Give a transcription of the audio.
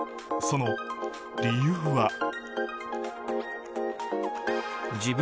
その理由は。